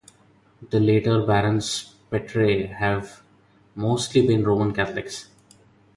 The later Barons Petre have mostly been Roman Catholics.